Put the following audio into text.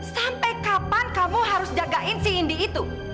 sampai kapan kamu harus jagain si indi itu